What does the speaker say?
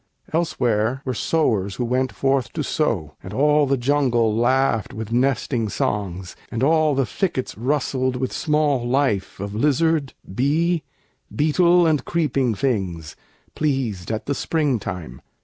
Elsewhere were sowers who went forth to sow; And all the jungle laughed with nesting songs, And all the thickets rustled with small life Of lizard, bee, beetle, and creeping things, Pleased at the springtime.